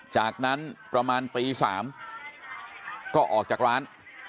จากนั้นประมาณตี๓ก็ออกจากร้าน